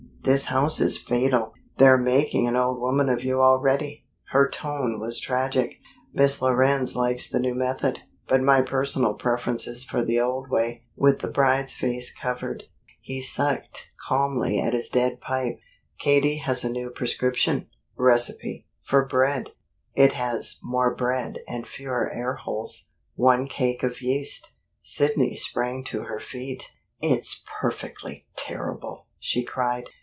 This house is fatal! They're making an old woman of you already." Her tone was tragic. "Miss Lorenz likes the new method, but my personal preference is for the old way, with the bride's face covered." He sucked calmly at his dead pipe. "Katie has a new prescription recipe for bread. It has more bread and fewer air holes. One cake of yeast " Sidney sprang to her feet. "It's perfectly terrible!" she cried.